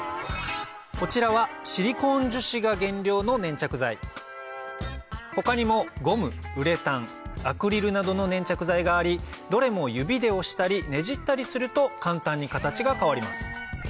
こちらはシリコーン樹脂が原料の粘着剤他にもゴムウレタンアクリルなどの粘着剤がありどれも指で押したりねじったりすると簡単に形が変わります